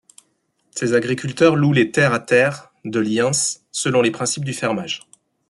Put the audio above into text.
Ces agriculteurs louent les terres à Terre de Liens selon les principes du fermage.